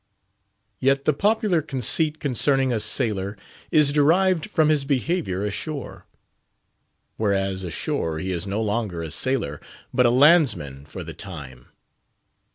Yet the popular conceit concerning a sailor is derived from his behaviour ashore; whereas, ashore he is no longer a sailor, but a landsman for the time.